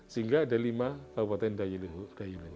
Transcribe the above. sehingga ada lima kabupaten dayi luhur